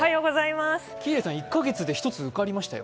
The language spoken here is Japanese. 喜入さん、１カ月で１つ受かりましたよ。